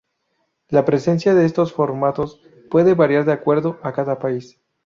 La presencia de estos formatos puede variar de acuerdo a cada país.